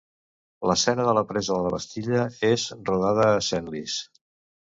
L'escena de la presa de la Bastilla és rodada a Senlis.